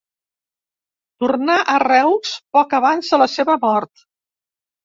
Tornà a Reus poc abans de la seva mort.